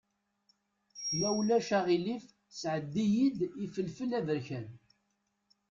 Ma ulac aɣilif sɛeddi-yi-d ifelfel aberkan.